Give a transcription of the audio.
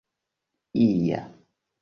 ia